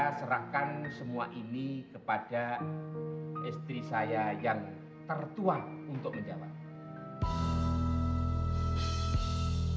saya serahkan semua ini kepada istri saya yang tertuang untuk menjawab